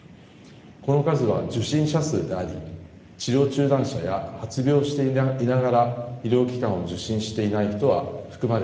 この数は受診者数であり治療中断者や発病していながら医療機関を受診していない人は含まれていません。